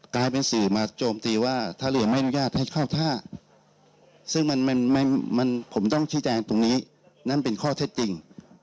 กลายเป็นสื่อมาโจมตีว่าถ้าเรียนไม่อนุญาตให้เข้าท่าซึ่งมันผมต้องชี้แจงตรงนี้นั่นเป็นข้อเท็จจริง